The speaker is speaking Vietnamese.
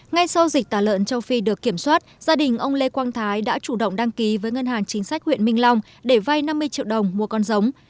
ngay sau dịch tả lợn châu phi được kiểm soát gia đình ông lê quang thái đã chủ động đăng ký với ngân hàng chính sách huyện minh long để vay năm mươi triệu đồng mua con giống